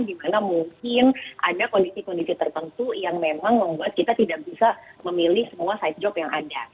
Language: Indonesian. dimana mungkin ada kondisi kondisi tertentu yang memang membuat kita tidak bisa memilih semua side job yang ada